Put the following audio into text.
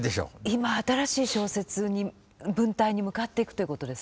今新しい小説に文体に向かっていくということですね。